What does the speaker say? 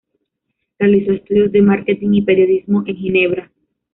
Realizó estudios de Marketing y Periodismo en Ginebra.